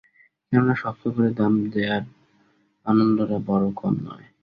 কেননা, শক্ত করে দাম দেওয়ার আনন্দটা বড়ো কম নয়।